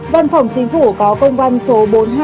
văn phòng chính phủ có công văn số bốn nghìn hai trăm tám mươi hai